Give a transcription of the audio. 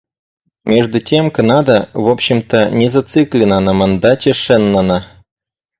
Между тем Канада, в общем-то, не зациклена на мандате Шеннона.